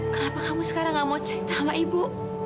kenapa kamu sekarang gak mau cerita sama ibu